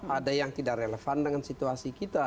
ada yang tidak relevan dengan situasi kita